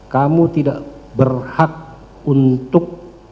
kamu tidak berhak untuk